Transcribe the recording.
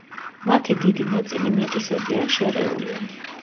მათი დიდი ნაწილი მეტისები ან შერეულია.